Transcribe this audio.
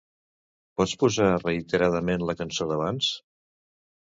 Pots posar reiteradament la cançó d'abans?